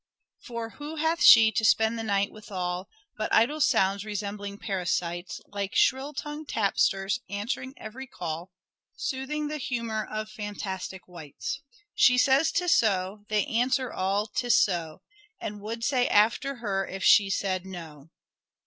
" For who hath she to spend the night withal, But idle sounds resembling parasites, Like shrill tongued tapsters answering every call, Soothing the humour of fantastic wights ? She says ' 'Tis so '; they answer all, ' 'Tis so '; And would say after her if she said ' No